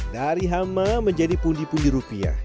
dari hama menjadi pundi pundi rupiah